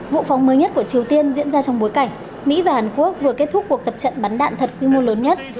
vụ phóng mới nhất của triều tiên diễn ra trong bối cảnh mỹ và hàn quốc vừa kết thúc cuộc tập trận bắn đạn thật quy mô lớn nhất